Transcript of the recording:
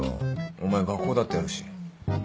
お前学校だってあるし